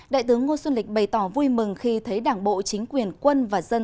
đại tướng ngô xuân lịch bày tỏ vui mừng khi thấy đảng bộ chính quyền quân và dân